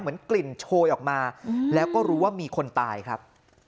เหมือนกลิ่นโชยออกมาแล้วก็รู้ว่ามีคนตายครับ